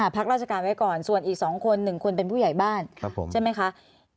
พักราชการไว้ก่อนส่วนอีก๒คน๑คนเป็นผู้ใหญ่บ้านใช่ไหมคะ